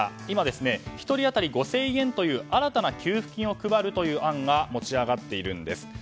今、１人当たり５０００円という新たな給付金を配るという案が持ち上がっているんです。